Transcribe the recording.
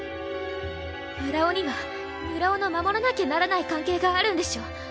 村尾には村尾の守らなきゃならない関係があるんでしょ？